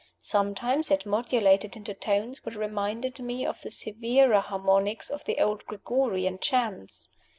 Sometimes it modulated into tones which reminded me of the severer harmonies of the old Gregorian chants.